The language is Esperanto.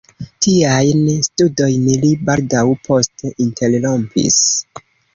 Tiajn studojn li baldaŭ poste interrompis.